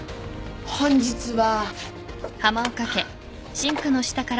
「本日は」